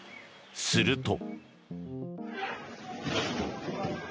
すると。